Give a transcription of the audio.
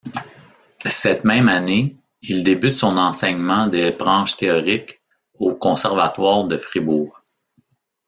Cette même année, il débute son enseignement des branches théoriques au conservatoire de Fribourg.